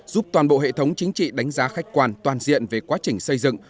giúp toàn bộ hệ thống chính trị đánh giá khách quan toàn diện về quá trình xây dựng